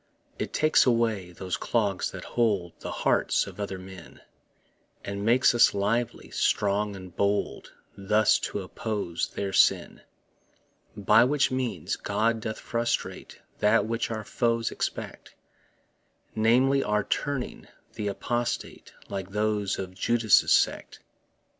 It takes away those clogs that hold The hearts of other men, And makes us lively, strong and bold Thus to oppose their sin. By which means God doth frustrate That which our foes expect Namely, our turning th' apostate, Like those of Judas' sect.